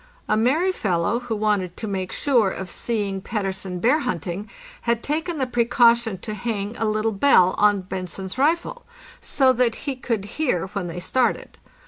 A merry fellow, who wanted to make sure of seeing Pettersen bear hunting, had taken the precaution to hang a little bell on Bentzen's rifle, so that he could hear when they started.